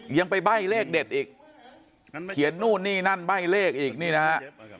ยังไปใบ้เลขเด็ดอีกเขียนนู่นนี่นั่นใบ้เลขอีกนี่นะฮะ